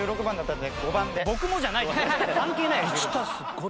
関係ないよ１６。